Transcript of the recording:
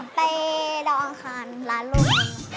เป็นไงบ้างคะสาวน้อย